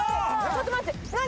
ちょっと待って何？